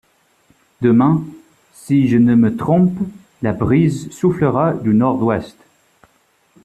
Demain, si je ne me trompe, la brise soufflera du nord-ouest.